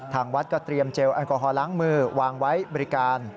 ทางวัดก็เตรียมเจลแอลกอฮอลล้างมือวางไว้บริการ